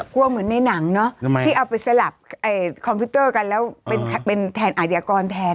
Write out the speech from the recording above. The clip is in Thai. กลัวเหมือนในหนังเนาะที่เอาไปสลับคอมพิวเตอร์กันแล้วเป็นแทนอาชญากรแทน